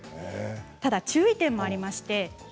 注意点もあります。